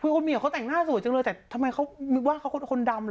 คนเมียเขาแต่งหน้าสวยจังเลยแต่ทำไมว่าเขาคนดำเหรอ